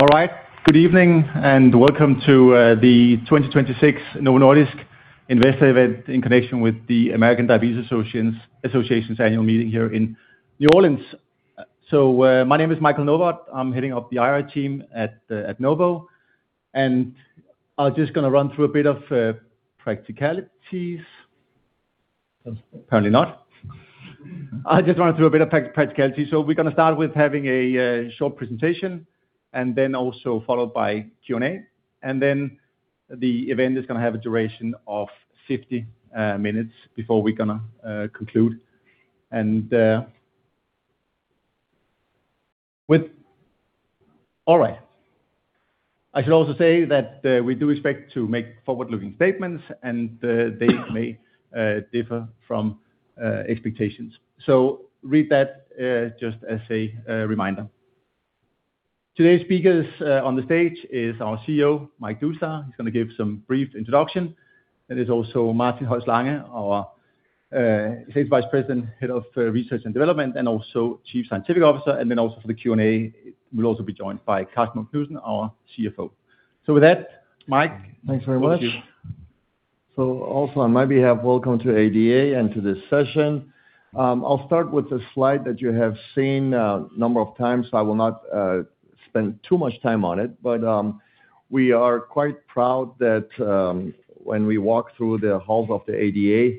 All right. Good evening, and welcome to the 2026 Novo Nordisk Investor event in connection with the American Diabetes Association's annual meeting here in New Orleans. My name is Michael Novod. I am heading up the IR team at Novo, and I am just going to run through a bit of practicalities. Apparently, not. I will just run through a bit of practicality. We are going to start with having a short presentation, and then also followed by Q&A, and then the event is going to have a duration of 50 minutes before we are going to conclude. All right. I should also say that we do expect to make forward-looking statements, and the dates may differ from expectations. Read that just as a reminder. Today's speakers on the stage are our CEO, Mike Doustdar. He's going to give some brief introduction, there's also Martin Holst Lange, our Executive Vice President, Head of Research and Development, and also Chief Scientific Officer. Then also for the Q&A, we'll also be joined by Karsten Knudsen, our CFO. With that, Mike. Thanks very much. Over to you. Also on my behalf, welcome to ADA and to this session. I'll start with a slide that you have seen a number of times. I will not spend too much time on it. We are quite proud that when we walk through the halls of the ADA,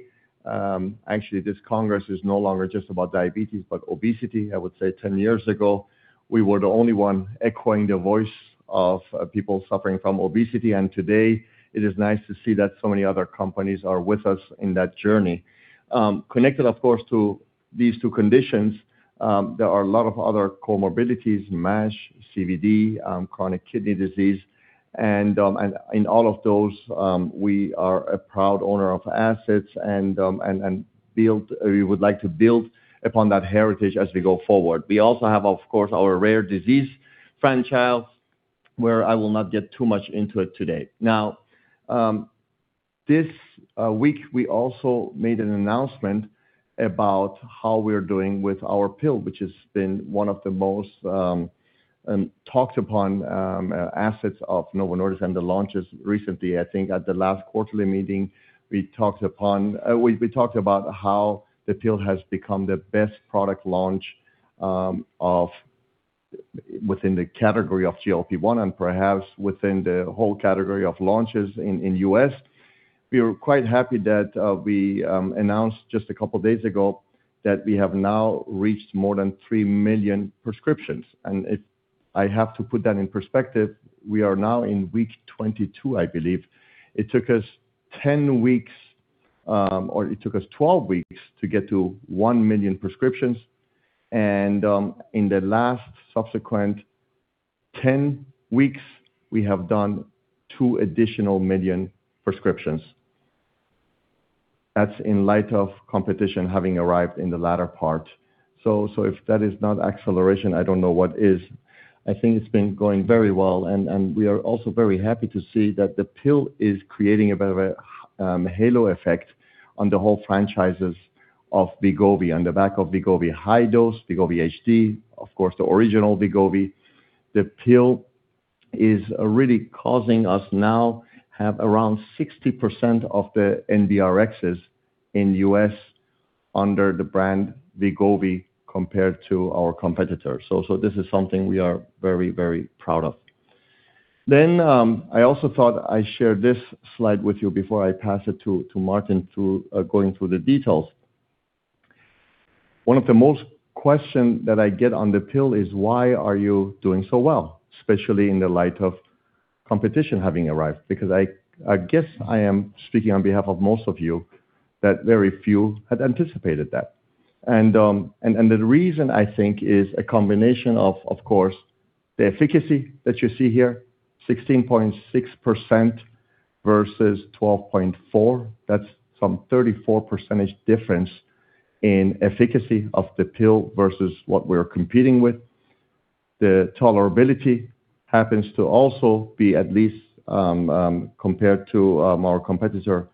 actually, this Congress is no longer just about diabetes, but obesity. I would say 10 years ago, we were the only one echoing the voice of people suffering from obesity. Today it is nice to see that so many other companies are with us in that journey. Connected, of course, to these two conditions, there are a lot of other comorbidities, MASH, CVD, chronic kidney disease, and in all of those, we are a proud owner of assets and we would like to build upon that heritage as we go forward. We also have, of course, our rare disease franchise, where I will not get too much into it today. This week, we also made an announcement about how we're doing with our pill, which has been one of the most talked-upon assets of Novo Nordisk and the launches recently. I think at the last quarterly meeting, we talked about how the pill has become the best product launch within the category of GLP-1 and perhaps within the whole category of launches in U.S. We were quite happy that we announced just a couple of days ago that we have now reached more than 3 million prescriptions. I have to put that in perspective, we are now in week 22, I believe. It took us 10 weeks, or it took us 12 weeks to get to 1 million prescriptions. In the last subsequent 10 weeks, we have done two additional million prescriptions. That's in light of competition having arrived in the latter part. If that is not acceleration, I don't know what is. I think it's been going very well, and we are also very happy to see that the pill is creating a bit of a halo effect on the whole franchises of Wegovy, on the back of Wegovy high dose, Wegovy HD, of course, the original Wegovy. The pill is really causing us now have around 60% of the NRx in U.S. under the brand Wegovy compared to our competitor. This is something we are very proud of. I also thought I'd share this slide with you before I pass it to Martin to going through the details. One of the most question that I get on the pill is, why are you doing so well, especially in the light of competition having arrived? I guess I am speaking on behalf of most of you, that very few had anticipated that. The reason I think is a combination of course, the efficacy that you see here, 16.6% versus 12.4%. That's some 34% difference in efficacy of the pill versus what we're competing with. The tolerability happens to also be at least, compared to our competitor,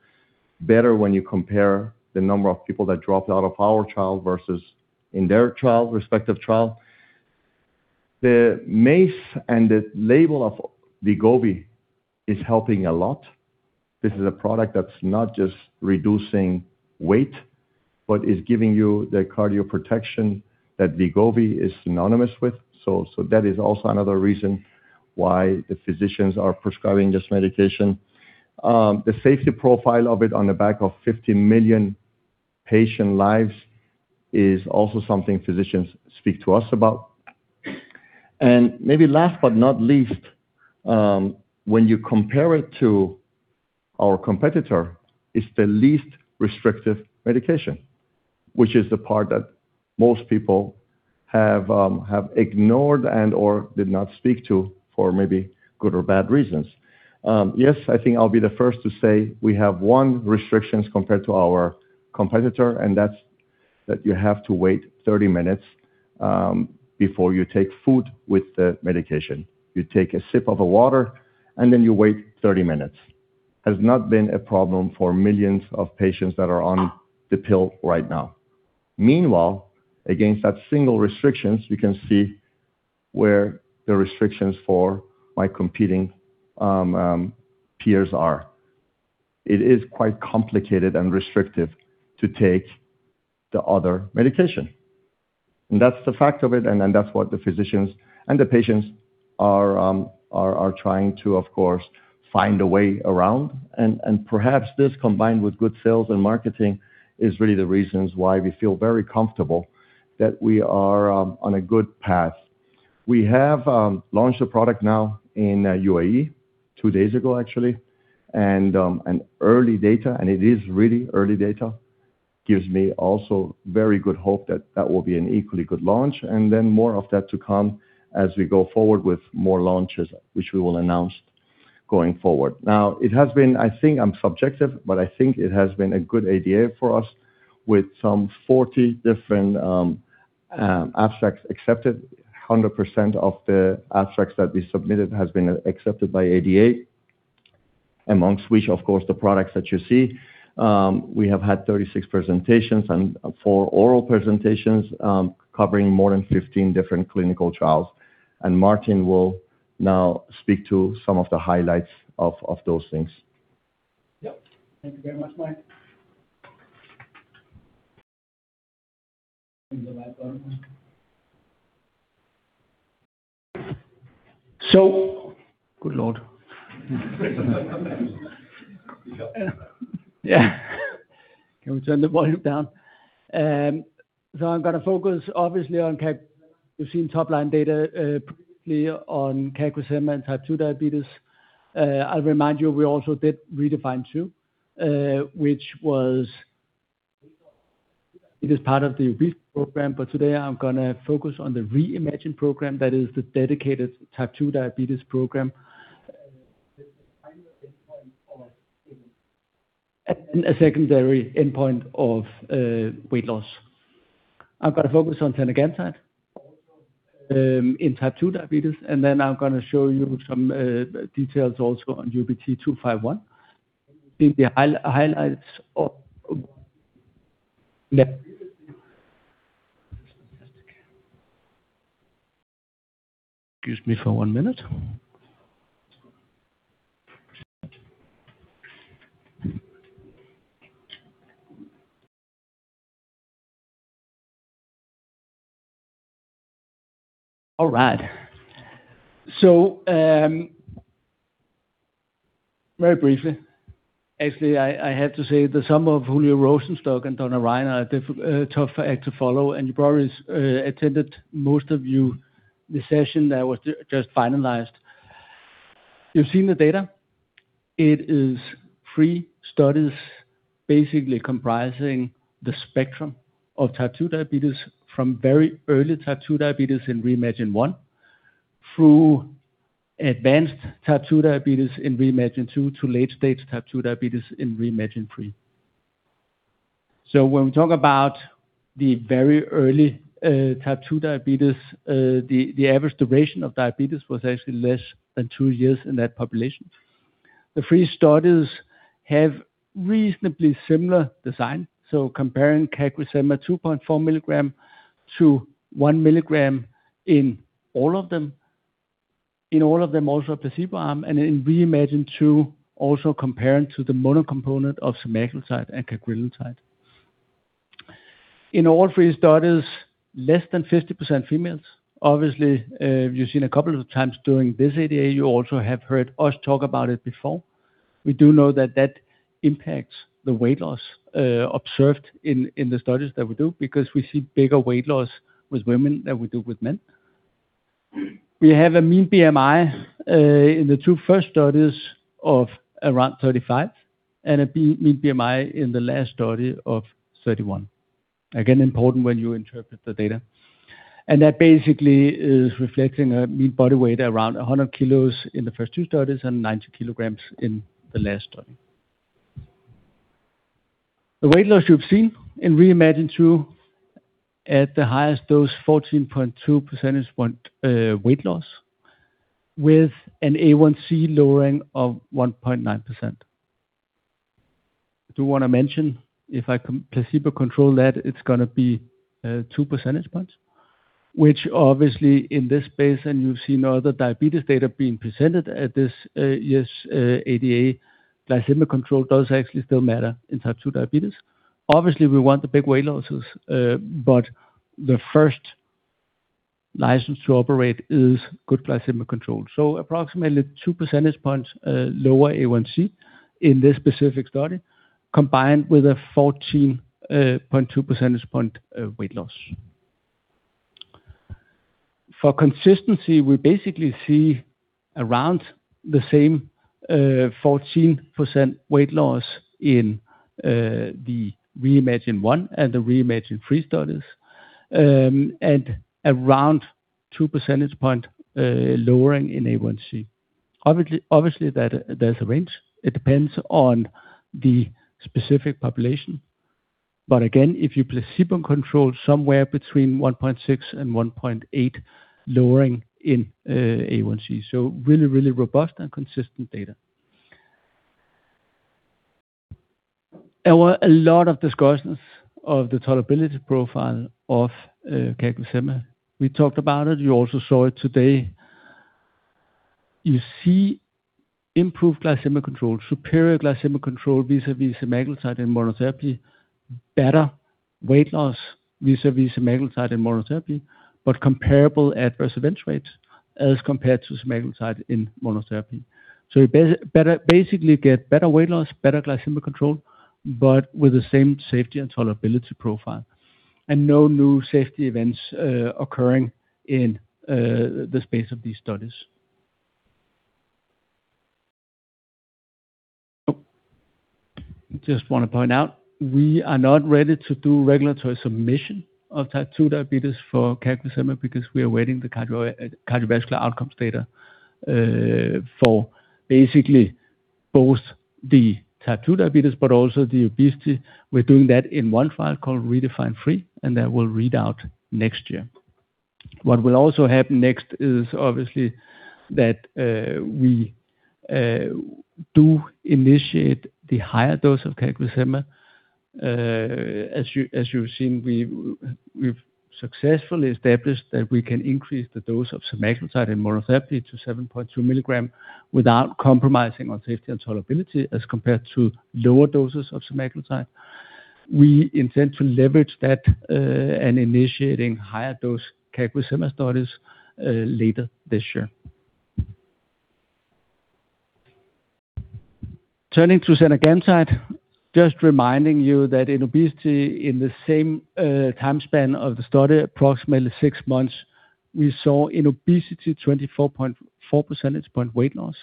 better when you compare the number of people that dropped out of our trial versus in their respective trial. The MACE and the label of Wegovy is helping a lot. This is a product that's not just reducing weight, but is giving you the cardio protection that Wegovy is synonymous with. That is also another reason why the physicians are prescribing this medication. The safety profile of it on the back of 50 million patient lives is also something physicians speak to us about. Maybe last but not least, when you compare it to our competitor, it's the least restrictive medication, which is the part that most people have ignored and/or did not speak to for maybe good or bad reasons. Yes, I think I'll be the first to say we have one restrictions compared to our competitor, and that's that you have to wait 30 minutes before you take food with the medication. You take a sip of a water, and then you wait 30 minutes. Has not been a problem for millions of patients that are on the pill right now. Meanwhile, against that single restrictions, we can see where the restrictions for my competing peers are. It is quite complicated and restrictive to take the other medication, and that's the fact of it, and that's what the physicians and the patients are trying to, of course, find a way around. Perhaps this, combined with good sales and marketing, is really the reasons why we feel very comfortable that we are on a good path. We have launched the product now in UAE, two days ago, actually. Early data, and it is really early data, gives me also very good hope that that will be an equally good launch. More of that to come as we go forward with more launches, which we will announce going forward. It has been, I think I am subjective, but I think it has been a good ADA for us with 40 different abstracts accepted, 100% of the abstracts that we submitted has been accepted by ADA, amongst which, of course, the products that you see. We have had 36 presentations and four oral presentations, covering more than 15 different clinical trials. Martin will now speak to some of the highlights of those things. Yep. Thank you very much, Mike. Is the mic on? Good Lord. Yeah. Can we turn the volume down? I'm going to focus obviously. You've seen top-line data previously on CagriSema and type 2 diabetes. I'll remind you, we also did REDEFINE 2, which was, it is part of the obesity program, but today I'm going to focus on the REIMAGINE program, that is the dedicated type 2 diabetes program, with a primary endpoint. A secondary endpoint of weight loss. I'm going to focus on zenicaglitide in type 2 diabetes. I'm going to show you some details also on UBT251. Yeah. Fantastic. Excuse me for one minute. All right. Very briefly. Actually, I have to say, the sum of Julio Rosenstock and Donna Ryan are a tough act to follow, and you probably attended, most of you, the session that was just finalized. You've seen the data. It is three studies basically comprising the spectrum of type 2 diabetes from very early type 2 diabetes in REIMAGINE 1, through advanced type 2 diabetes in REIMAGINE 2, to late-stage type 2 diabetes in REIMAGINE 3. When we talk about the very early type 2 diabetes, the average duration of diabetes was actually less than two years in that population. The three studies have reasonably similar design, so comparing CagriSema 2.4 mg to 1 mg in all of them. In all of them, also a placebo arm, and in REIMAGINE 2, also comparing to the mono component of semaglutide and cagrilintide. In all three studies, less than 50% females. Obviously, you've seen a couple of times during this ADA, you also have heard us talk about it before. We do know that that impacts the weight loss observed in the studies that we do, because we see bigger weight loss with women than we do with men. We have a mean BMI in the two first studies of around 35, and a mean BMI in the last study of 31. Again, important when you interpret the data. That basically is reflecting a mean body weight around 100 kilos in the first two studies and 90 kilograms in the last study. The weight loss you've seen in REIMAGINE 2, at the highest dose, 14.2 percentage point weight loss with an A1C lowering of 1.9%. I do want to mention, if I placebo-control that, it's going to be 2 percentage points, which obviously in this space, and you've seen other diabetes data being presented at this year's ADA, glycemic control does actually still matter in type 2 diabetes. We want the big weight losses, but the first license to operate is good glycemic control. Approximately 2 percentage points lower A1C in this specific study, combined with a 14.2 percentage point weight loss. For consistency, we basically see around the same 14% weight loss in the REDEFINE 1 and the REDEFINE 3 studies, and around 2 percentage point lowering in A1C. Obviously, there's a range. It depends on the specific population. Again, if you placebo control, somewhere between 1.6 and 1.8 lowering in A1C, so really, really robust and consistent data. There were a lot of discussions of the tolerability profile of CagriSema. We talked about it, you also saw it today. You see improved glycemic control, superior glycemic control vis-à-vis semaglutide and monotherapy, better weight loss vis-à-vis semaglutide and monotherapy, but comparable adverse event rates as compared to semaglutide in monotherapy. You basically get better weight loss, better glycemic control, but with the same safety and tolerability profile and no new safety events occurring in the space of these studies. Just want to point out, we are not ready to do regulatory submission of type 2 diabetes for CagriSema because we are awaiting the cardiovascular outcomes data for basically both the type 2 diabetes, but also the obesity. We're doing that in one file called REDEFINE 3, and that will read out next year. What will also happen next is obviously that we do initiate the higher dose of CagriSema. As you've seen, we've successfully established that we can increase the dose of semaglutide and monotherapy to 7.2 mg without compromising on safety and tolerability as compared to lower doses of semaglutide. We intend to leverage that and initiating higher dose CagriSema studies later this year. Turning to zenicaglitide, just reminding you that in obesity, in the same time span of the study, approximately six months, we saw in obesity 24.4 percentage point weight loss.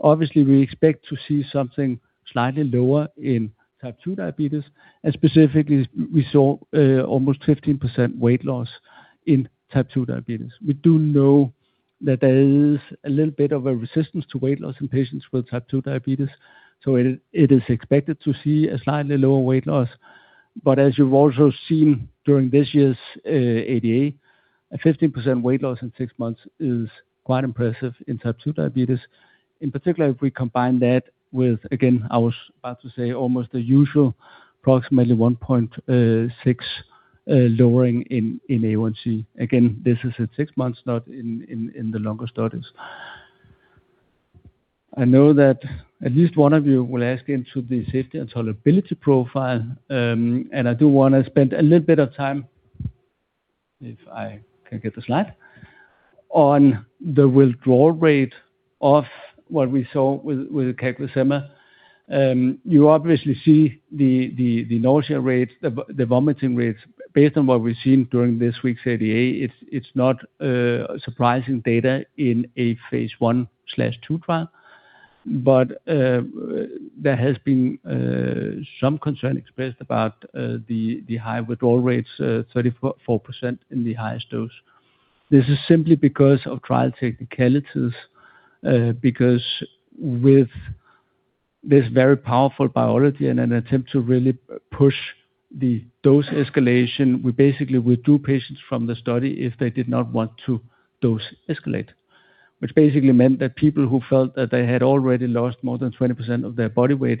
Obviously, we expect to see something slightly lower in type 2 diabetes. Specifically, we saw almost 15% weight loss in type 2 diabetes. We do know that there is a little bit of a resistance to weight loss in patients with type 2 diabetes, it is expected to see a slightly lower weight loss. As you've also seen during this year's ADA, a 15% weight loss in six months is quite impressive in type 2 diabetes. In particular, if we combine that with, again, I was about to say almost the usual, approximately 1.6 lowering in A1C. Again, this is at six months, not in the longer studies. I know that at least one of you will ask into the safety and tolerability profile, and I do want to spend a little bit of time, if I can get the slide, on the withdrawal rate of what we saw with CagriSema. You obviously see the nausea rates, the vomiting rates. Based on what we've seen during this week's ADA, it's not surprising data in a phase I/II trial, but there has been some concern expressed about the high withdrawal rates, 34% in the highest dose. This is simply because of trial technicalities, because with this very powerful biology and an attempt to really push the dose escalation, we basically withdrew patients from the study if they did not want to dose escalate. Basically meant that people who felt that they had already lost more than 20% of their body weight,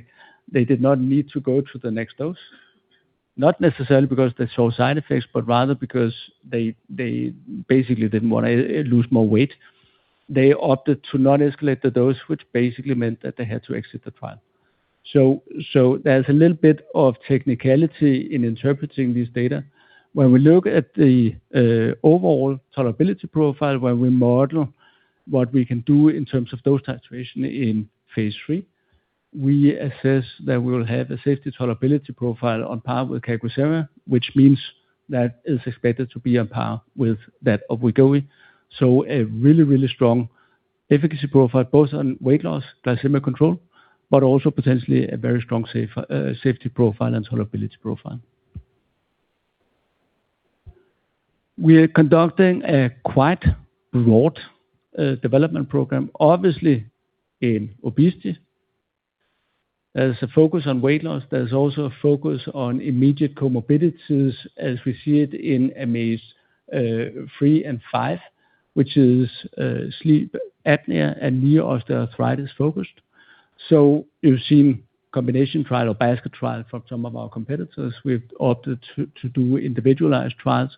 they did not need to go to the next dose. Not necessarily because they saw side effects, but rather because they basically didn't want to lose more weight. They opted to not escalate the dose, which basically meant that they had to exit the trial. There's a little bit of technicality in interpreting these data. When we look at the overall tolerability profile, when we model what we can do in terms of dose titration in phase III, we assess that we will have a safety tolerability profile on par with CagriSema, which means that is expected to be on par with that of Wegovy. A really, really strong efficacy profile, both on weight loss, glycemic control, but also potentially a very strong safety profile and tolerability profile. We are conducting a quite broad development program, obviously in obesity. There's a focus on weight loss. There's also a focus on immediate comorbidities as we see it in AMAZE 3 and AMAZE 5, which is sleep apnea and knee osteoarthritis focused. You've seen combination trial or basket trial from some of our competitors. We've opted to do individualized trials.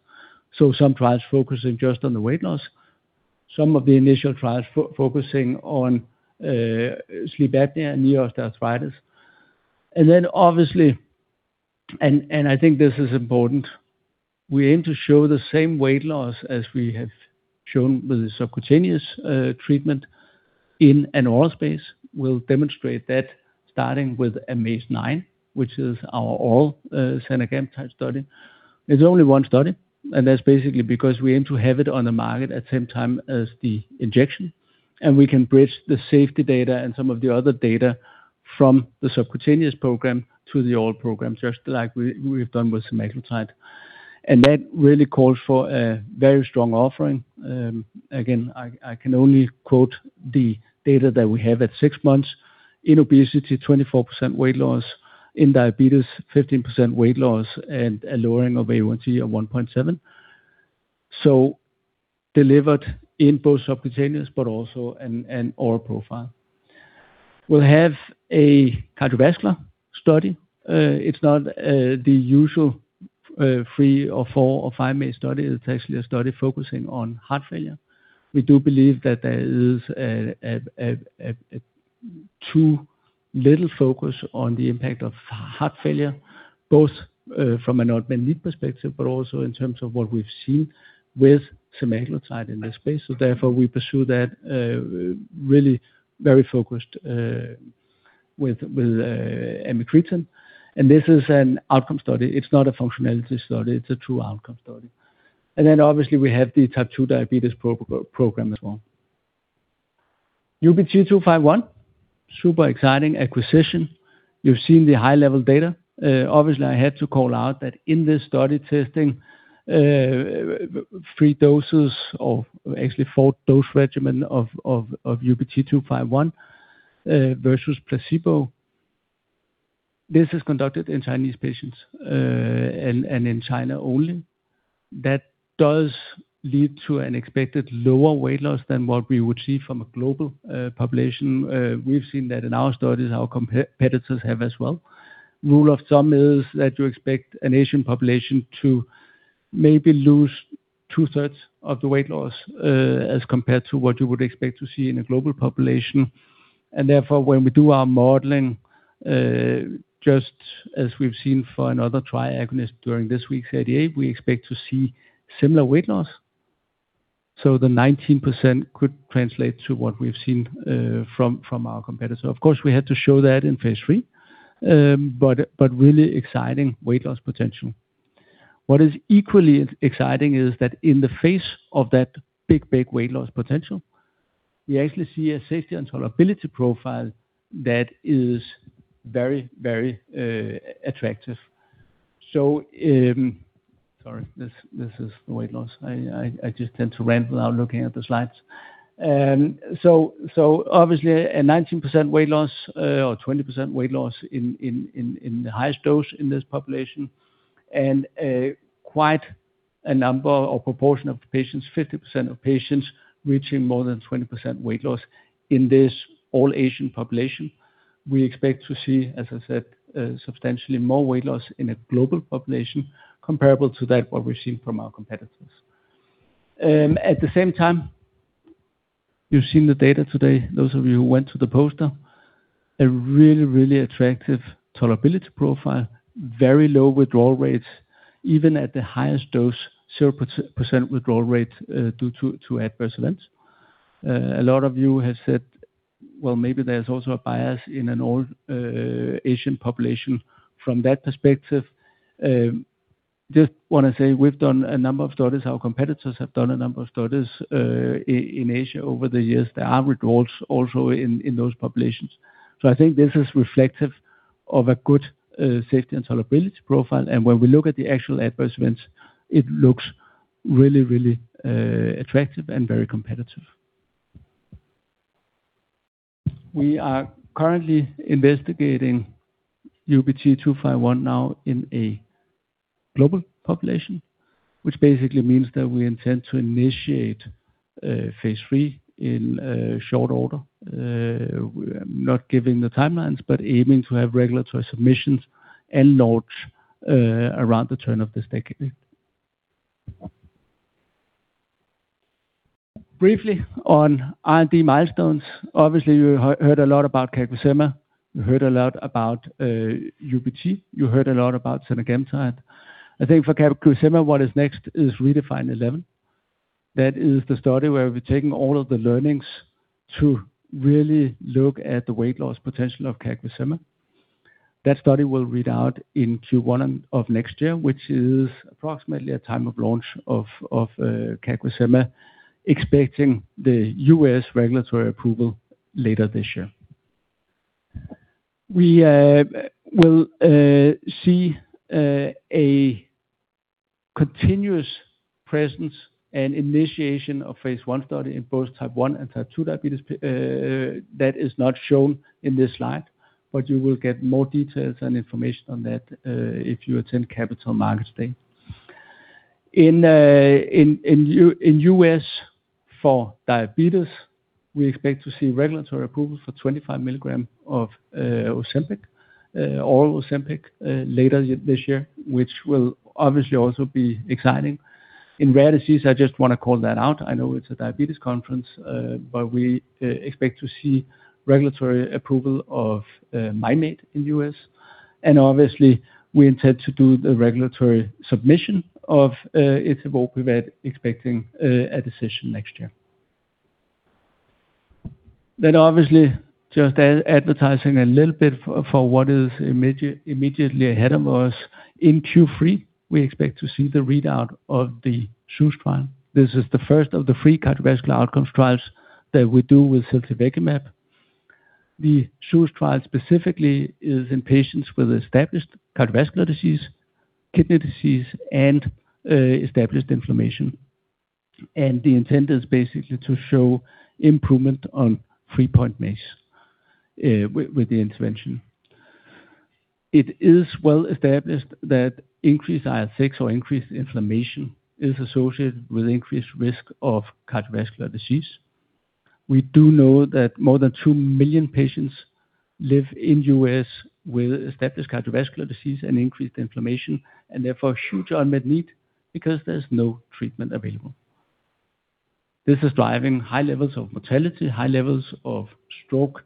Some trials focusing just on the weight loss, some of the initial trials focusing on sleep apnea and knee osteoarthritis. Obviously, and I think this is important, we aim to show the same weight loss as we have shown with the subcutaneous treatment in an oral space. We'll demonstrate that starting with AMAZE 9, which is our oral semaglutide study. There's only one study, and that's basically because we aim to have it on the market at same time as the injection, and we can bridge the safety data and some of the other data from the subcutaneous program to the oral program, just like we've done with semaglutide. That really calls for a very strong offering. Again, I can only quote the data that we have at six months. In obesity, 24% weight loss, in diabetes, 15% weight loss and a lowering of A1C of 1.7. Delivered in both subcutaneous but also an oral profile. We will have a cardiovascular study. It is not the usual three or four or five-month study. It is actually a study focusing on heart failure. We do believe that there is too little focus on the impact of heart failure, both from an unmet need perspective, but also in terms of what we have seen with semaglutide in this space. Therefore, we pursue that really very focused with amycretin, and this is an outcome study. It is not a functionality study, it is a true outcome study. Obviously we have the type 2 diabetes program as well. UBT251, super exciting acquisition. You have seen the high-level data. Obviously, I had to call out that in this study testing three doses or actually four-dose regimen of UBT251 versus placebo. This is conducted in Chinese patients, in China only. That does lead to an expected lower weight loss than what we would see from a global population. We've seen that in our studies, our competitors have as well. Rule of thumb is that you expect an Asian population to maybe lose two-thirds of the weight loss, as compared to what you would expect to see in a global population. Therefore, when we do our modeling, just as we've seen for another triagonist during this week's ADA, we expect to see similar weight loss. The 19% could translate to what we've seen from our competitor. Of course, we had to show that in phase III, really exciting weight loss potential. What is equally exciting is that in the face of that big weight loss potential, we actually see a safety and tolerability profile that is very attractive. Sorry, this is the weight loss. I just tend to rant without looking at the slides. Obviously a 19% weight loss or 20% weight loss in the highest dose in this population, and quite a number or proportion of patients, 50% of patients reaching more than 20% weight loss in this all-Asian population. We expect to see, as I said, substantially more weight loss in a global population comparable to that what we're seeing from our competitors. At the same time, you've seen the data today, those of you who went to the poster, a really, really attractive tolerability profile, very low withdrawal rates, even at the highest dose, 0% withdrawal rate due to adverse events. A lot of you have said, "Well, maybe there's also a bias in an all-Asian population from that perspective." Just want to say we've done a number of studies, our competitors have done a number of studies, in Asia over the years. There are withdrawals also in those populations. I think this is reflective of a good safety and tolerability profile, and when we look at the actual adverse events, it looks really attractive and very competitive. We are currently investigating UBT251 now in a global population, which basically means that we intend to initiate phase III in short order. Not giving the timelines, but aiming to have regulatory submissions and launch around the turn of this decade. Briefly on R&D milestones. Obviously, you heard a lot about CagriSema, you heard a lot about UBT, you heard a lot about amycretin. I think for CagriSema, what is next is REDEFINE 11. That is the study where we've taken all of the learnings to really look at the weight loss potential of CagriSema. That study will read out in Q1 of next year, which is approximately a time of launch of CagriSema, expecting the U.S. regulatory approval later this year. We will see a continuous presence and initiation of phase I study in both type 1 and type 2 diabetes. That is not shown in this slide. You will get more details and information on that if you attend Capital Markets Day. In U.S. for diabetes, we expect to see regulatory approval for 25 mg of Ozempic, oral Ozempic, later this year, which will obviously also be exciting. In rare disease, I just want to call that out. I know it's a diabetes conference, we expect to see regulatory approval of Wegovy in the U.S., and obviously we intend to do the regulatory submission of etavopivat expecting a decision next year. Obviously just advertising a little bit for what is immediately ahead of us. In Q3, we expect to see the readout of the ZEUS trial. This is the first of the three cardiovascular outcomes trials that we do with ziltivekimab. The ZEUS trial specifically is in patients with established cardiovascular disease, kidney disease, and established inflammation. The intent is basically to show improvement on three-point MACE with the intervention. It is well established that increased IL-6 or increased inflammation is associated with increased risk of cardiovascular disease. We do know that more than 2 million patients live in U.S. with established cardiovascular disease and increased inflammation, and therefore huge unmet need because there's no treatment available. This is driving high levels of mortality, high levels of stroke,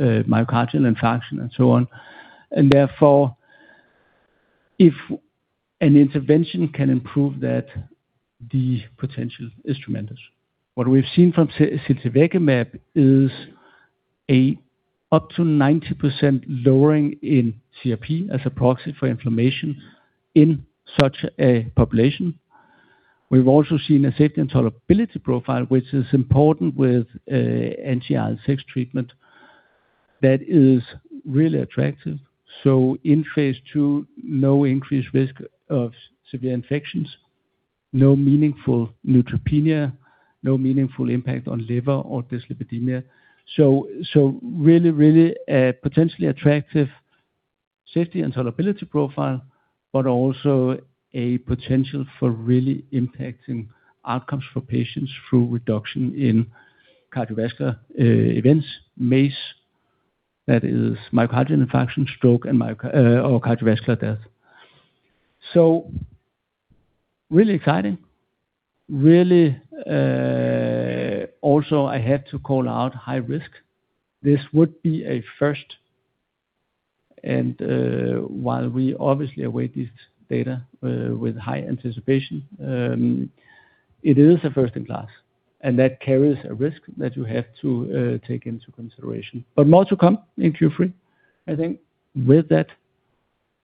myocardial infarction, and so on, and therefore, if an intervention can improve that, the potential is tremendous. What we've seen from ziltivekimab is up to 90% lowering in CRP as a proxy for inflammation in such a population. We've also seen a safety and tolerability profile, which is important with anti-IL-6 treatment that is really attractive. In phase II, no increased risk of severe infections, no meaningful neutropenia, no meaningful impact on liver or dyslipidemia. Really potentially attractive safety and tolerability profile, but also a potential for really impacting outcomes for patients through reduction in cardiovascular events, MACE, that is myocardial infarction, stroke, or cardiovascular death. Really exciting. Really, also, I had to call out high risk. This would be a first, and while we obviously await this data with high anticipation, it is a first in class, and that carries a risk that you have to take into consideration. More to come in Q3. I think with that,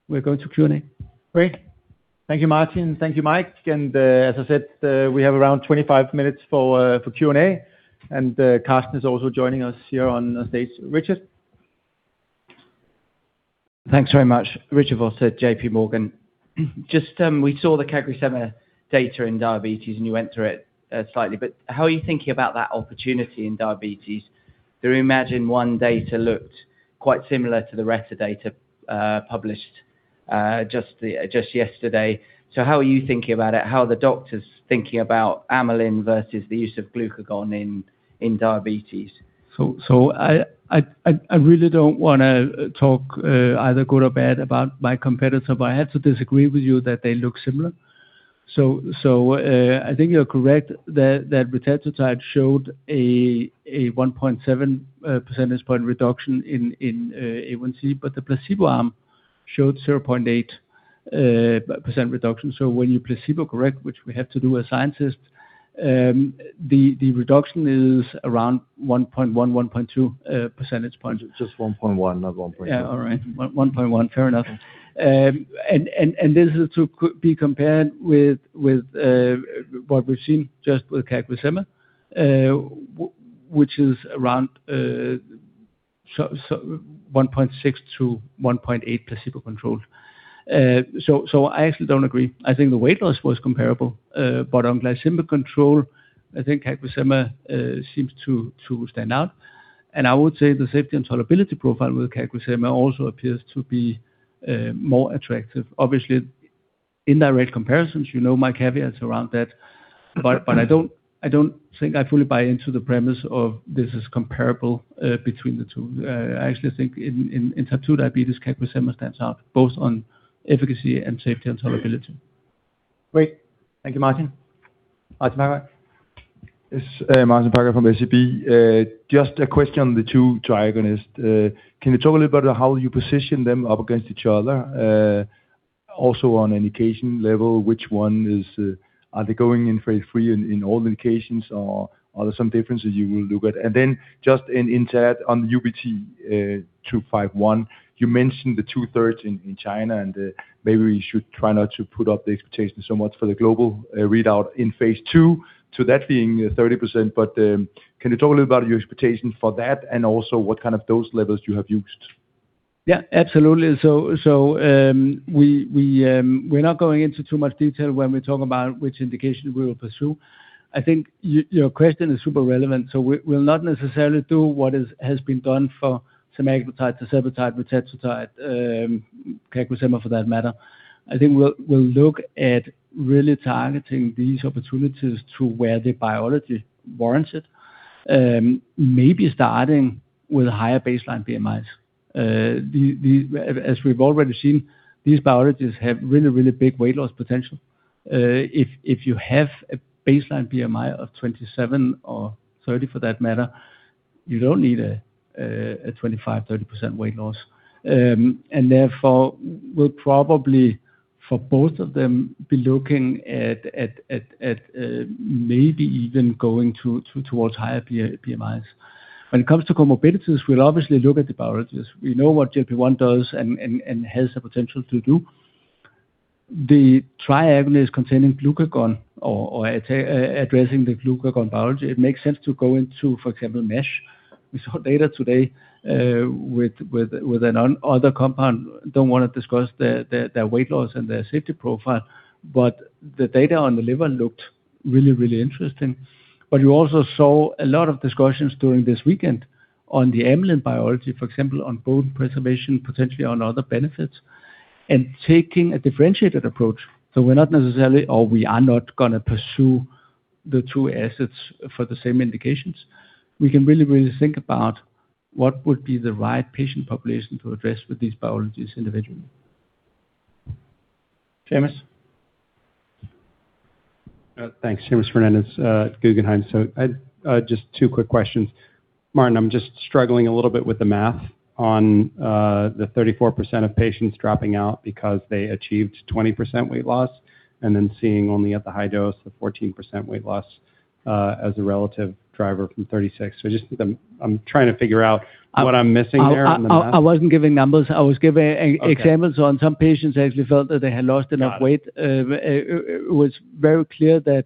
we're going to Q&A. Great. Thank you, Martin. Thank you, Mike, and as I said, we have around 25 minutes for Q&A, and Karsten is also joining us here on stage. Richard? Thanks very much, Richard Vosser, J.P. Morgan. We saw the CagriSema data in diabetes, and you went through it slightly, but how are you thinking about that opportunity in diabetes? The REIMAGINE 1 data looked quite similar to the rest of data published just yesterday. How are you thinking about it? How are the doctors thinking about amylin versus the use of glucagon in diabetes? I really don't want to talk either good or bad about my competitor, but I have to disagree with you that they look similar. I think you're correct that retatrutide showed a 1.7 percentage point reduction in A1C, but the placebo arm showed 0.8% reduction. When you placebo correct, which we have to do as scientists, the reduction is around 1.1.2 percentage points. Just 1.1, not 1.2. Yeah, all right. 1.1, fair enough. This is to be compared with what we've seen just with CagriSema which is around 1.6-1.8 placebo-controlled. I actually don't agree. I think the weight loss was comparable, but on glycemic control, I think CagriSema seems to stand out. I would say the safety and tolerability profile with CagriSema also appears to be more attractive. Obviously, indirect comparisons, you know my caveats around that. I don't think I fully buy into the premise of this is comparable between the two. I actually think in type 2 diabetes, CagriSema stands out both on efficacy and safety and tolerability. Great. Thank you, Martin. Martin Parkhøi. It's Martin Parkhøi from SEB. Just a question on the two agonists. Can you talk a little about how you position them up against each other? Also on an indication level, are they going in phase III in all indications or are there some differences you will look at? Then just in, to add on UBT251, you mentioned the two-thirds in China, and maybe we should try not to put up the expectation so much for the global readout in phase II to that being 30%, but can you talk a little about your expectation for that and also what kind of dose levels you have used? Absolutely. We're not going into too much detail when we talk about which indication we will pursue. I think your question is super relevant. We'll not necessarily do what has been done for semaglutide, tirzepatide, retatrutide, CagriSema for that matter. I think we'll look at really targeting these opportunities to where the biology warrants it, maybe starting with higher baseline BMIs. As we've already seen, these biologies have really, really big weight loss potential. If you have a baseline BMI of 27 or 30 for that matter, you don't need a 25%-30% weight loss. Therefore, we'll probably, for both of them, be looking at maybe even going towards higher BMIs. When it comes to comorbidities, we'll obviously look at the biologies. We know what GLP-1 does and has the potential to do. The triple-G is containing glucagon or addressing the glucagon biology. It makes sense to go into, for example, MASH. We saw data today with another compound. Don't want to discuss their weight loss and their safety profile, but the data on the liver looked really interesting. You also saw a lot of discussions during this weekend on the Amylin biology, for example, on bone preservation, potentially on other benefits, and taking a differentiated approach. We're not necessarily, or we are not going to pursue the two assets for the same indications. We can really think about what would be the right patient population to address with these biologies individually. Seamus. Thanks. Seamus Fernandez, Guggenheim. Just two quick questions. Martin, I'm just struggling a little bit with the math on the 34% of patients dropping out because they achieved 20% weight loss, and then seeing only at the high dose, the 14% weight loss, as a relative driver from 36. I'm trying to figure out what I'm missing there on the math. I wasn't giving numbers. Okay examples on some patients actually felt that they had lost enough weight. Got it. It was very clear that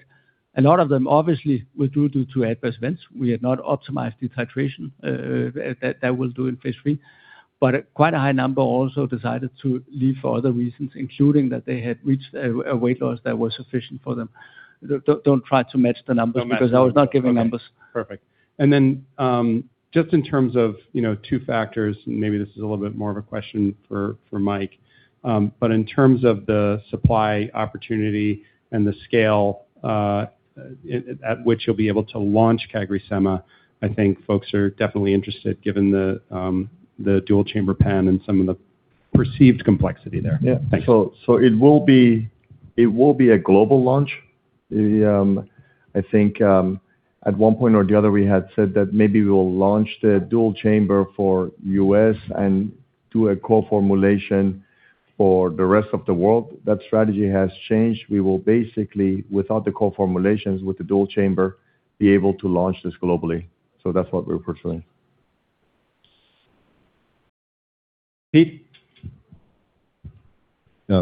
a lot of them obviously withdrew due to adverse events. We had not optimized the titration that we'll do in phase III, but quite a high number also decided to leave for other reasons, including that they had reached a weight loss that was sufficient for them. Don't try to match the numbers. Don't match the numbers because I was not giving numbers. Okay, perfect. Just in terms of two factors, and maybe this is a little bit more of a question for Mike, but in terms of the supply opportunity and the scale at which you'll be able to launch CagriSema, I think folks are definitely interested given the dual-chamber pen and some of the perceived complexity there. Yeah. Thanks. It will be a global launch. I think, at one point or the other, we had said that maybe we will launch the dual chamber for U.S. and do a co-formulation for the rest of the world. That strategy has changed. We will basically, without the co-formulations with the dual chamber, be able to launch this globally. That's what we are pursuing. Pete.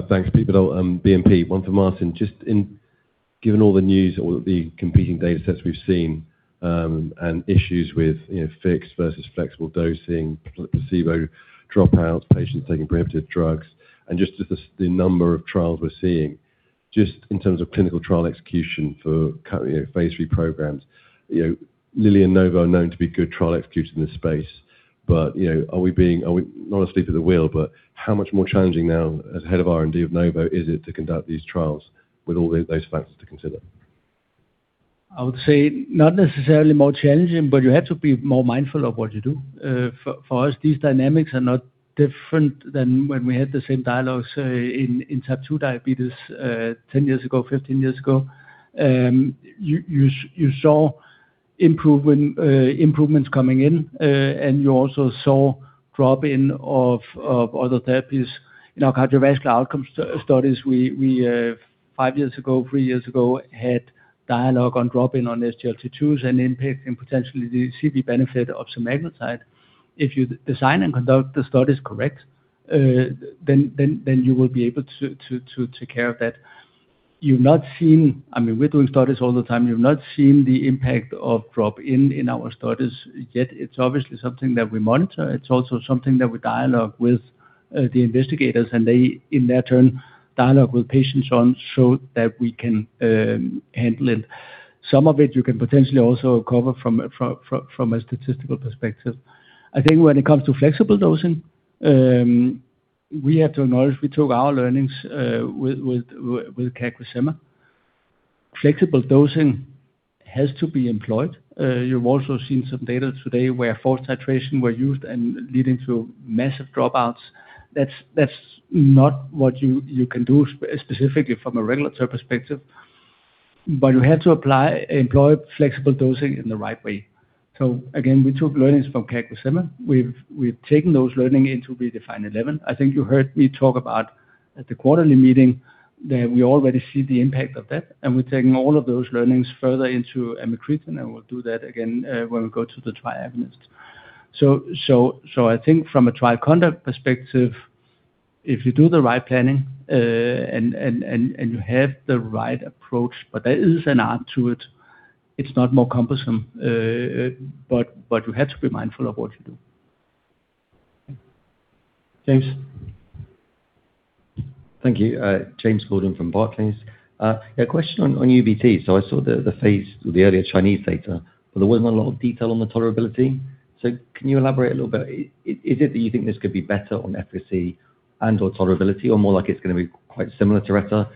Thanks. Pete Biddle, BNP. One for Martin, just given all the news, all the competing data sets we've seen, and issues with fixed versus flexible dosing, placebo dropouts, patients taking prohibitive drugs, and just the number of trials we're seeing, just in terms of clinical trial execution for phase III programs. Lilly and Novo are known to be good trial executors in this space, but are we not asleep at the wheel, but how much more challenging now as head of R&D of Novo is it to conduct these trials with all those factors to consider? I would say not necessarily more challenging, but you have to be more mindful of what you do. For us, these dynamics are not different than when we had the same dialogues in type 2 diabetes 10 years ago, 15 years ago. You saw improvements coming in, and you also saw drop-in of other therapies. In our cardiovascular outcome studies, we, five years ago, three years ago, had dialogue on drop-in on SGLT2s and impact and potentially the CVD benefit of semaglutide. If you design and conduct the studies correct, then you will be able to take care of that. I mean, we're doing studies all the time. You've not seen the impact of drop-in in our studies yet. It's obviously something that we monitor. It's also something that we dialogue with the investigators, and they, in their turn, dialogue with patients on, so that we can handle it. Some of it you can potentially also cover from a statistical perspective. I think when it comes to flexible dosing, we have to acknowledge we took our learning with CagriSema. Flexible dosing has to be employed. You've also seen some data today where forced titration were used and leading to massive dropouts. That's not what you can do specifically from a regulatory perspective. You have to employ flexible dosing in the right way. Again, we took learnings from CagriSema. We've taken those learning into REDEFINE 11. I think you heard me talk about at the quarterly meeting that we already see the impact of that, and we're taking all of those learnings further into amycretin, and we'll do that again when we go to the triple agonists. I think from a trial conduct perspective, if you do the right planning, and you have the right approach, but there is an art to it. It's not more cumbersome, but you have to be mindful of what you do. James. Thank you. James Gordon from Barclays. A question on UBT. I saw the phase with the earlier Chinese data, but there wasn't a lot of detail on the tolerability. Can you elaborate a little bit? Is it that you think this could be better on efficacy and/or tolerability or more like it's going to be quite similar to retatrutide?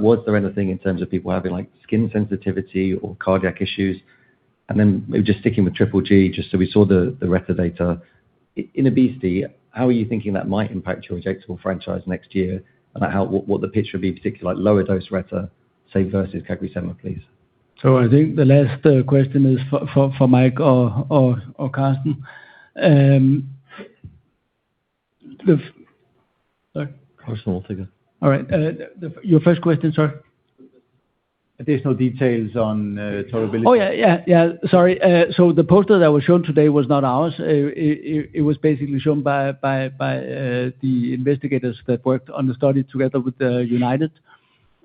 Was there anything in terms of people having skin sensitivity or cardiac issues? Just sticking with triple-G, just so we saw the retatrutide data. In obesity, how are you thinking that might impact your injectable franchise next year and what the picture would be, particularly lower dose retatrutide, say, versus CagriSema, please? I think the last question is for Mike or Karsten. Sorry. Karsten will take it. All right. Your first question, sir? Additional details on tolerability. Oh, yeah. Sorry. The poster that was shown today was not ours. It was basically shown by the investigators that worked on the study together with United.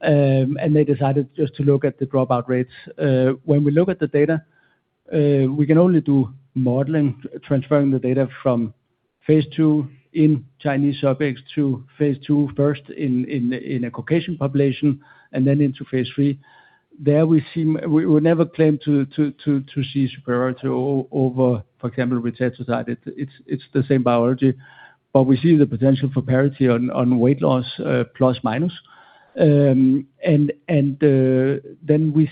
They decided just to look at the dropout rates. When we look at the data. We can only do modeling, transferring the data from phase II in Chinese subjects to phase II first in a Caucasian population, and then into phase III. There, we would never claim to see superiority over, for example, retatrutide. It's the same biology, but we see the potential for parity on weight loss, plus, minus. We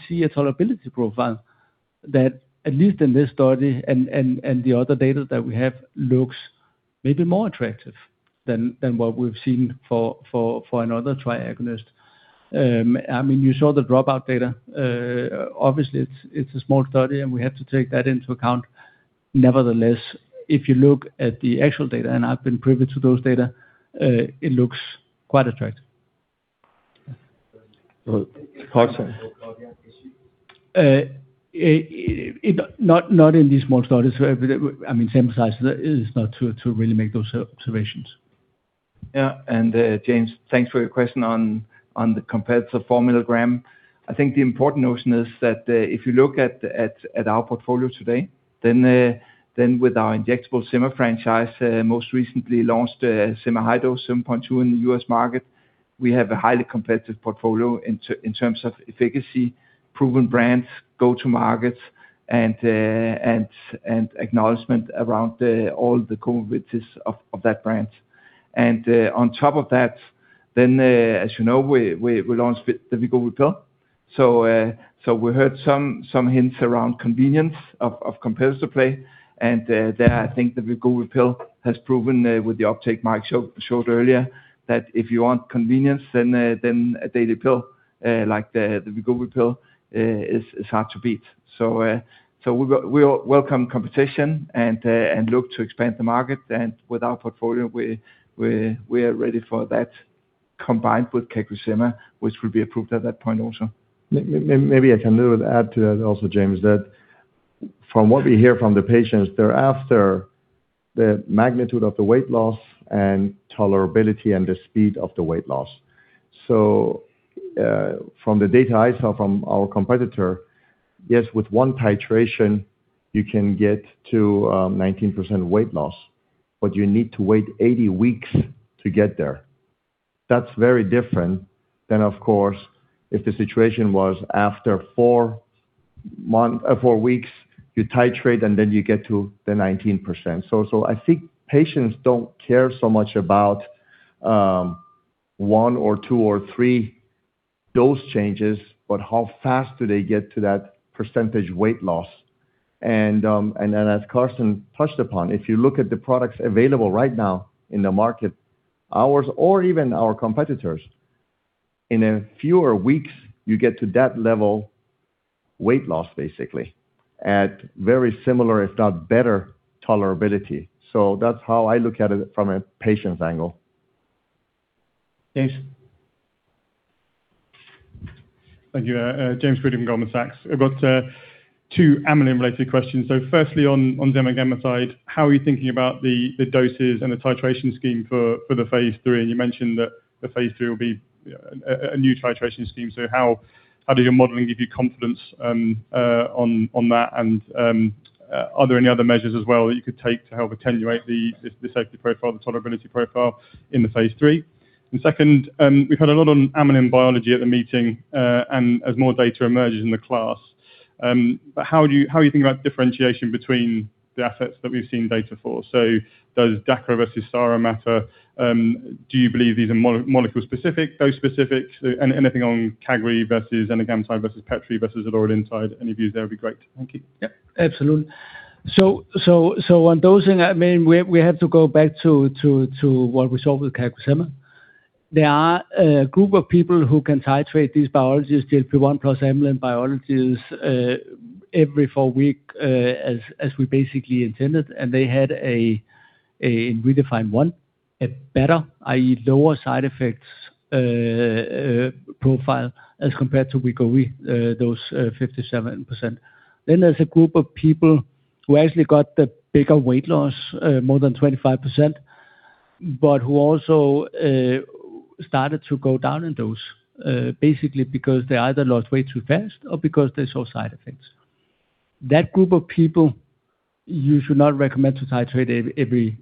see a tolerability profile that, at least in this study and the other data that we have, looks maybe more attractive than what we've seen for another triagonist. You saw the dropout data. Obviously, it's a small study, and we have to take that into account. Nevertheless, if you look at the actual data, and I've been privy to those data, it looks quite attractive. Karsten. Not in these small studies. Same size. It is not to really make those observations. James, thanks for your question on the competitor four milligram. I think the important notion is that if you look at our portfolio today, then with our injectable semaglutide franchise, most recently launched semaglutide 7.2 mg in the U.S. market, we have a highly competitive portfolio in terms of efficacy, proven brands, go-to markets, and acknowledgement around all the comorbidities of that brand. On top of that, then as you know, we launched the Wegovy pill. We heard some hints around convenience of competitor play, and there I think the Wegovy pill has proven with the uptake Mike showed earlier, that if you want convenience, then a daily pill like the Wegovy pill is hard to beat. We welcome competition and look to expand the market. With our portfolio, we are ready for that, combined with CagriSema, which will be approved at that point also. Maybe I can add to that also, James, that from what we hear from the patients, they're after the magnitude of the weight loss and tolerability and the speed of the weight loss. From the data I saw from our competitor, yes, with one titration, you can get to 19% weight loss, but you need to wait 80 weeks to get there. That's very different than, of course, if the situation was after four weeks, you titrate, and then you get to the 19%. I think patients don't care so much about one or two or three dose changes, but how fast do they get to that percentage weight loss. As Karsten touched upon, if you look at the products available right now in the market, ours or even our competitors, in a fewer weeks, you get to that level weight loss, basically, at very similar, if not better tolerability. That's how I look at it from a patient's angle. James. Thank you. James Freeding from Goldman Sachs. I've got two amylin-related questions. Firstly, on domaglamide, how are you thinking about the doses and the titration scheme for the phase III? You mentioned that the phase III will be a new titration scheme. How does your modeling give you confidence on that? Are there any other measures as well that you could take to help attenuate the safety profile, the tolerability profile in the phase III? Second, we've heard a lot on amylin biology at the meeting, and as more data emerges in the class. How are you thinking about differentiation between the assets that we've seen data for? Does DACRA versus SARA matter? Do you believe these are molecule specific, dose specific? Anything on Cagri versus Amigamide versus petrelintide versus retatrutide? Any views there would be great. Thank you. Absolutely. On dosing, we have to go back to what we saw with CagriSema. There are a group of people who can titrate these biologies, GLP-1 plus Amylin biologies every four weeks, as we basically intended, and they had a, in REDEFINE 1, a better, i.e., lower side effects profile as compared to Wegovy, those 57%. There's a group of people who actually got the bigger weight loss, more than 25%, but who also started to go down in dose, basically because they either lost weight too fast or because they saw side effects. That group of people, you should not recommend to titrate every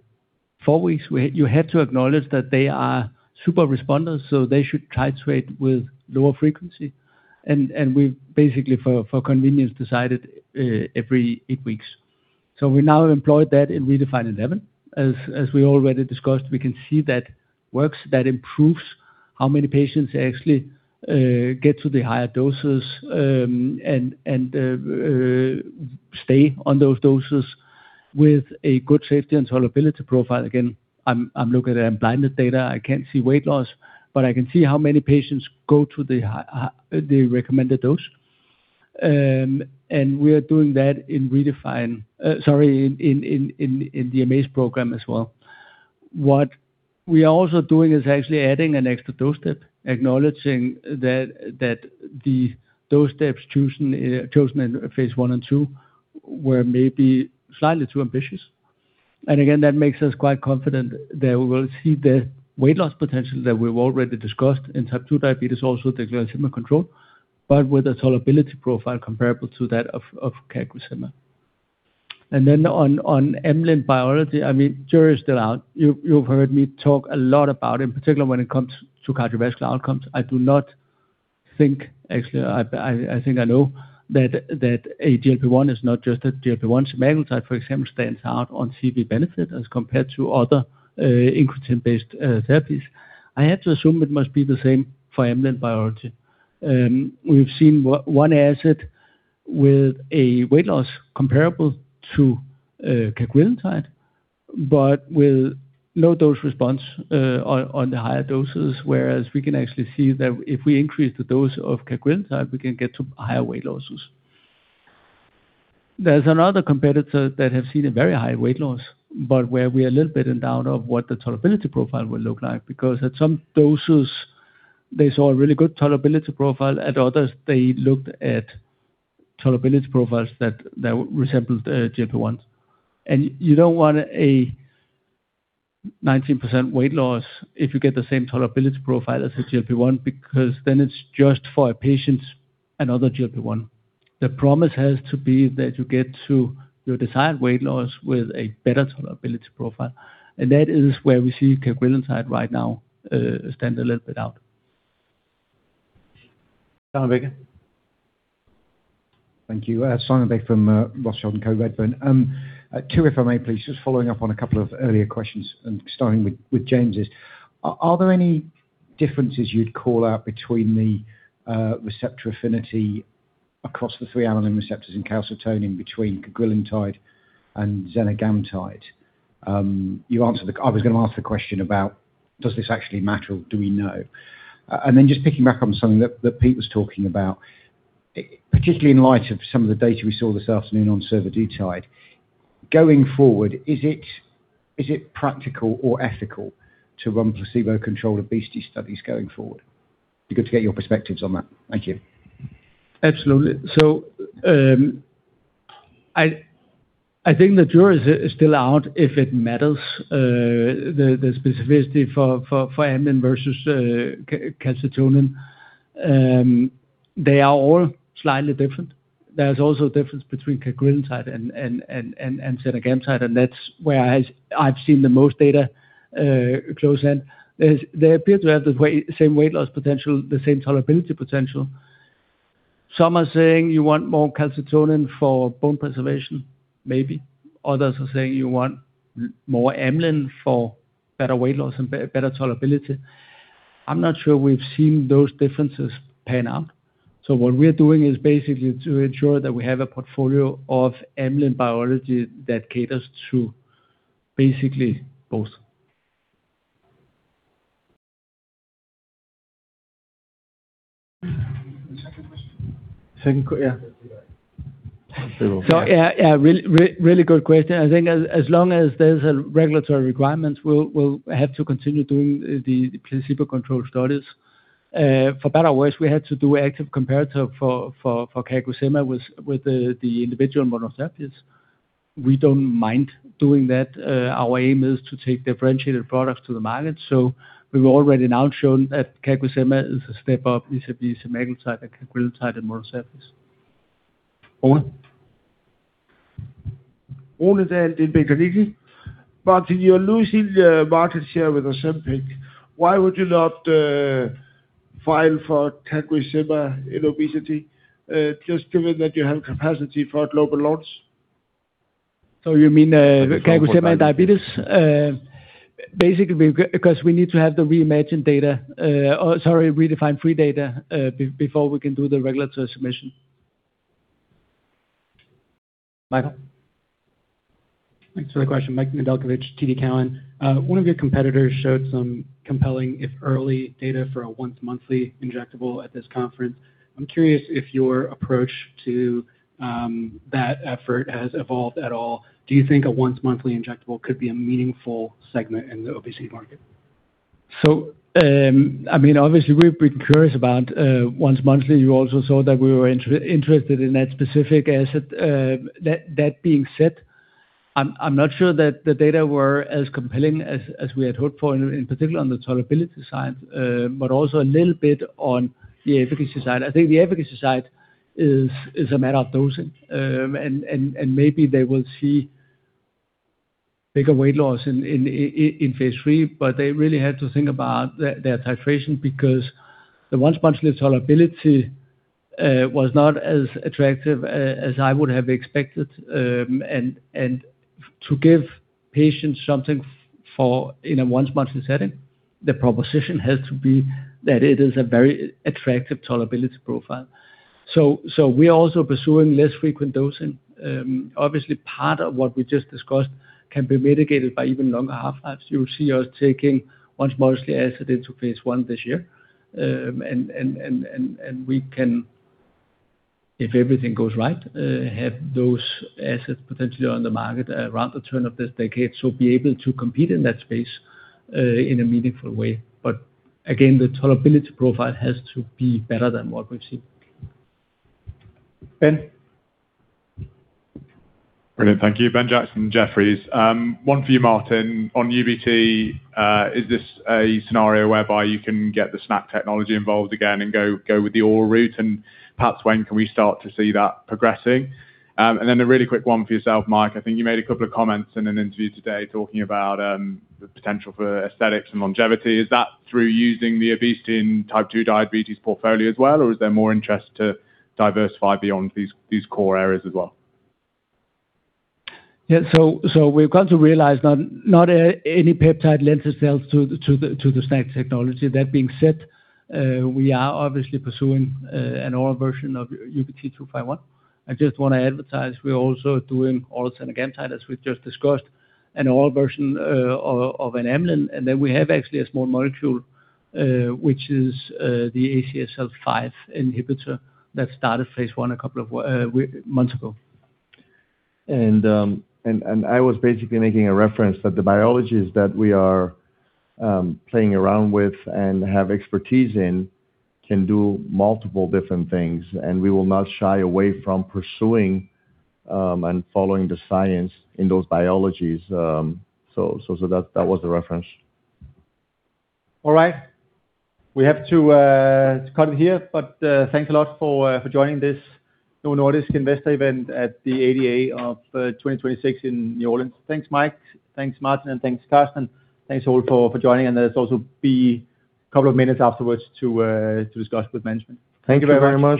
four weeks. You have to acknowledge that they are super responders, so they should titrate with lower frequency. We've basically, for convenience, decided every eight weeks. We now employed that in REDEFINE 11. As we already discussed, we can see that works, that improves how many patients actually get to the higher doses and stay on those doses with a good safety and tolerability profile. I am looking at unblinded data. I cannot see weight loss, but I can see how many patients go to the recommended dose. We are doing that in the AMAZE program as well. What we are also doing is actually adding an extra dose step, acknowledging that the dose steps chosen in phase I and II were maybe slightly too ambitious. Again, that makes us quite confident that we will see the weight loss potential that we've already discussed in type 2 diabetes, also the glycemic control, but with a tolerability profile comparable to that of CagriSema. Then on amylin biology, the jury is still out. You've heard me talk a lot about, in particular when it comes to cardiovascular outcomes, I do not think, actually, I think I know that a GLP-1 is not just a GLP-1. semaglutide, for example, stands out on CV benefit as compared to other incretin-based therapies. I have to assume it must be the same for amylin biology. We've seen one asset with a weight loss comparable to cagrilintide, but with no dose response on the higher doses, whereas we can actually see that if we increase the dose of cagrilintide, we can get to higher weight losses. There's another competitor that have seen a very high weight loss, but where we're a little bit in doubt of what the tolerability profile will look like, because at some doses, they saw a really good tolerability profile, and others, they looked at tolerability profiles that resembled GLP-1s. You don't want a 19% weight loss if you get the same tolerability profile as a GLP-1, because then it's just for a patient, another GLP-1. The promise has to be that you get to your desired weight loss with a better tolerability profile. That is where we see cagrilintide right now stand a little bit out. Simon Baker. Thank you. Simon Baker from Rothschild & Co, Redburn. Two if I may please, just following up on a couple of earlier questions and starting with James'. Are there any differences you'd call out between the receptor affinity across the three amylin receptors and calcitonin between cagrilintide and zenicaglitide? I was going to ask the question about does this actually matter or do we know? Just picking back on something that Pete was talking about, particularly in light of some of the data we saw this afternoon on survodutide. Going forward, is it practical or ethical to run placebo-controlled obesity studies going forward? Be good to get your perspectives on that. Thank you. Absolutely. I think the jury is still out if it matters, the specificity for amylin versus calcitonin. They are all slightly different. There's also a difference between cagrilintide and petrelintide, and that's where I've seen the most data close in. They appear to have the same weight loss potential, the same tolerability potential. Some are saying you want more calcitonin for bone preservation, maybe. Others are saying you want more amylin for better weight loss and better tolerability. I'm not sure we've seen those differences pan out. What we're doing is basically to ensure that we have a portfolio of amylin biology that caters to basically both. The second question. Yeah, really good question. I think as long as there's regulatory requirements, we'll have to continue doing the placebo-controlled studies. For better or worse, we had to do active comparator for CagriSema with the individual monotherapies. We don't mind doing that. Our aim is to take differentiated products to the market. We've already now shown that CagriSema is a step up vis-à-vis semaglutide and cagrilintide in monotherapies. Simon., you're losing the market share with Ozempic. Why would you not file for CagriSema in obesity, just given that you have capacity for a global launch? So you mean- For type 2 diabetes. CagriSema in diabetes? Because we need to have the REIMAGINE data, or sorry, REDEFINE 3 data, before we can do the regulatory submission. Michael. Thanks for the question. Michael Nedelcovych with TD Cowen. One of your competitors showed some compelling, if early, data for a once-monthly injectable at this conference. I'm curious if your approach to that effort has evolved at all. Do you think a once-monthly injectable could be a meaningful segment in the obesity market? Obviously we've been curious about once-monthly. You also saw that we were interested in that specific asset. That being said, I am not sure that the data were as compelling as we had hoped for, in particular on the tolerability side, but also a little bit on the efficacy side. I think the efficacy side is a matter of dosing, and maybe they will see bigger weight loss in phase III, but they really had to think about their titration because the once-monthly tolerability was not as attractive as I would have expected. To give patients something in a once-monthly setting, the proposition has to be that it is a very attractive tolerability profile. We are also pursuing less frequent dosing. Part of what we just discussed can be mitigated by even longer half-lives. You will see us taking once-monthly asset into phase I this year. We can, if everything goes right, have those assets potentially on the market around the turn of this decade, so be able to compete in that space in a meaningful way. Again, the tolerability profile has to be better than what we've seen. Ben. Brilliant, thank you. Benjamin Jackson, Jefferies. One for you, Martin. On UBT, is this a scenario whereby you can get the SNAC technology involved again and go with the oral route? Perhaps when can we start to see that progressing? A really quick one for yourself, Mike. I think you made a couple of comments in an interview today talking about the potential for aesthetics and longevity. Is that through using the obesity and type 2 diabetes portfolio as well, or is there more interest to diversify beyond these core areas as well? Yeah, we've come to realize not any peptide lends itself to the SNAC technology. That being said, we are obviously pursuing an oral version of UBT251. I just want to advertise, we're also doing oral semaglutide, as we've just discussed, an oral version of an amylin, then we have actually a small molecule, which is the ACSL5 inhibitor that started phase I a couple of months ago. I was basically making a reference that the biologies that we are playing around with and have expertise in can do multiple different things, and we will not shy away from pursuing and following the science in those biologies. That was the reference. All right. We have to cut it here, but thanks a lot for joining this Novo Nordisk investor event at the ADA of 2026 in New Orleans. Thanks, Mike. Thanks, Martin, and thanks, Karsten. Thanks all for joining, and there's also be a couple of minutes afterwards to discuss with management. Thank you very much